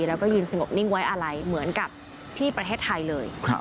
แล้วก็ยืนสงบนิ่งไว้อะไรเหมือนกับที่ประเทศไทยเลย